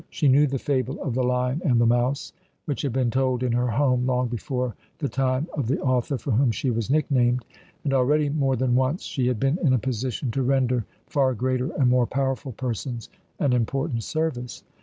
She knew the fable of the lion and the mouse, which had been told in her home long before the time of the author for whom she was nicknamed, and already more than once she had been in a position to render far greater and more powerful persons an important service.